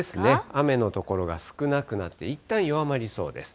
雨の所が少なくなって、いったん弱まりそうです。